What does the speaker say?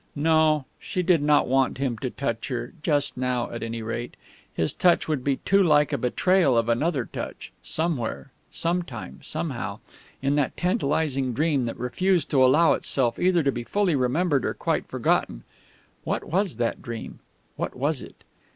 No, she did not want him to touch her, just now at any rate. His touch would be too like a betrayal of another touch ... somewhere, sometime, somehow ... in that tantalising dream that refused to allow itself either to be fully remembered or quite forgotten. What was that dream? What was it?...